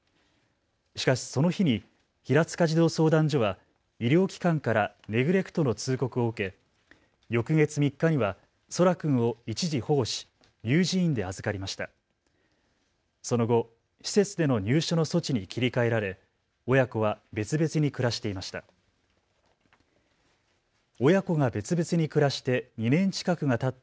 しかし、その日に平塚児童相談所は医療機関からネグレクトの通告を受け翌月３日には空来君を一時保護し乳児院で預かりました。